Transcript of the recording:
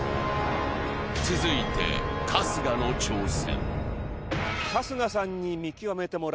続いて、春日の挑戦。